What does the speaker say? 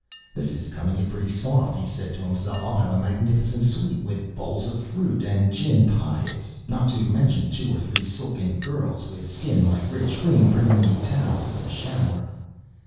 This is coming it pretty soft, he said to himself. I'll have a magnificent suite, with bowls of fruit and gin pahits, not to mention two or three silken girls with skin like rich cream bringing me towels in the shower....